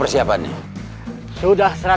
tasik tasik tasik